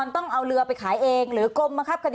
ต้องเอาเรือไปขายเองหรือกลมมาครับ